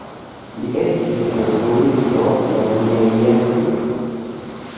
Li estis instruisto, lernejestro.